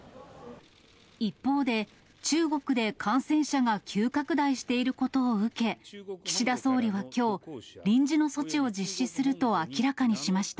一方で、中国で感染者が急拡大していることを受け、岸田総理はきょう、臨時の措置を実施すると明らかにしました。